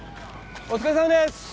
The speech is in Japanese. お疲れさまです。